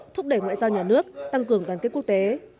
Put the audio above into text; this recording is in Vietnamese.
thúc đẩy ngoại giao nhà nước tăng cường đoàn kết quốc tế